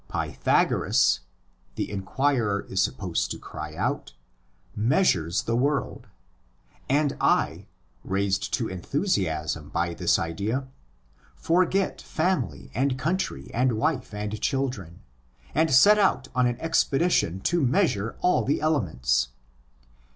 Pythagoras (the inquirer is supposed to cry out) measures the world; and I, raised to enthusiasm by this idea, forget family and country and wife and children, and set out on an expedition to measure all the elements.